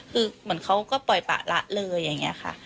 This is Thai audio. คือเหมือนเขาก็ปล่อยปะละเลยอย่างนี้ค่ะ